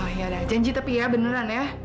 oh ya ada janji tapi ya beneran ya